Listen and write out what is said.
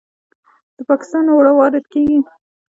د پاکستان اوړه وارد کیږي.